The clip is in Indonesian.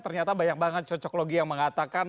ternyata banyak banget cocok logi yang mengatakan